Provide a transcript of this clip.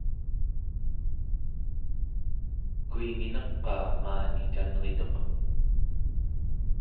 kuingineq-qaa maani canrituq?